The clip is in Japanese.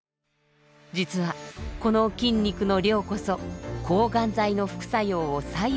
実はこの筋肉の量こそ抗がん剤の副作用を左右する要因だったのです。